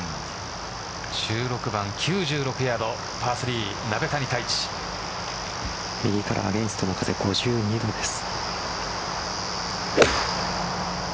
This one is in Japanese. １６番９６ヤード右からアゲンストの風５２度です。